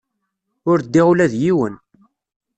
Ur ddiɣ ula d yiwen.